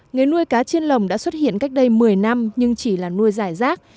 người nuôi cá chiên lồng đã xuất hiện cách đây một mươi năm nhưng chỉ là nuôi giải rác